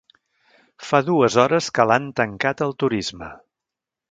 Fa dues hores que l'han tancat al turisme.